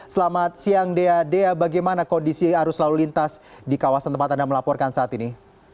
selamat siang dea dea bagaimana kondisi arus lalu lintas di kawasan tempat anda melaporkan saat ini